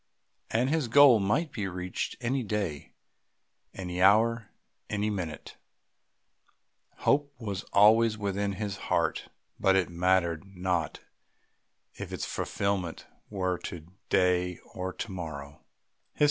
And his goal might be reached any day, any hour, any minute. Hope was always within his heart; but it mattered not if its fulfilment were to day or to morrow.